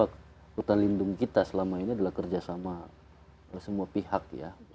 karena hutan lindung kita selama ini adalah kerjasama semua pihak ya